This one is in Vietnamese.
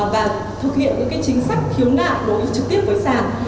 và thực hiện những chính sách khiếu ngạc đối với trực tiếp với sản